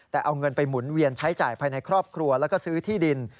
แต่เอาเงินไปหมุนเวียนใช้จ่ายภายในครอบครัวแล้วก็ซื้อที่ดิน